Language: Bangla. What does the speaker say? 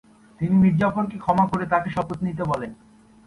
তিনি মীর জাফরকে ক্ষমা করে তাকে শপথ নিতে বলেন।